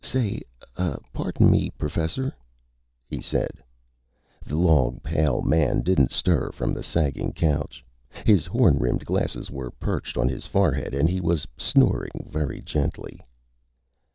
"Say, pardon me, Professor," he said. The long, pale man didn't stir from the sagging couch. His horn rimmed glasses were perched on his forehead, and he was snoring very gently.